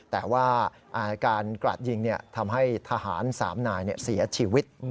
แต่ว่าการกราดยิงทำให้ทหาร๓นายเสียชีวิต